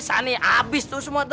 sani abis tuh semua tuh